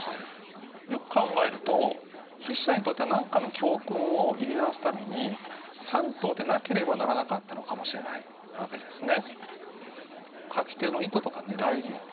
よく考えると筆者にとっては何かの教訓を言い表すために３頭でなければならなかったのかもしれないわけですね。